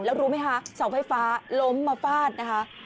แล้วรู้ไหมคะเสาไฟฟ้าล้มมาฟาดนะคะ